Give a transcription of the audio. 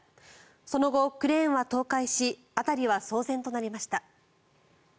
その後、クレーンは倒壊し辺りは騒然となりました。